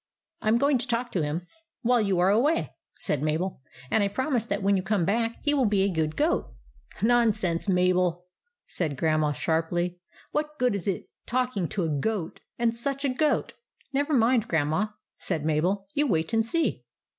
" I 'm going to talk to him while you are away," said Mabel; "and I promise that when you come back he will be a good goat." " Nonsense, Mabel !" said Grandma, sharply. "What good is it talking to a goat — and such a goat ?"" Never mind, Grandma," said Mabel. " You wait and see."